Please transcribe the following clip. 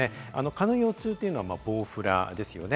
蚊の幼虫というのはボウフラですよね。